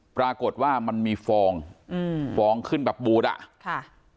ปรากฏว่ามันมีฟองอืมฟองขึ้นแบบบูดอ่ะค่ะ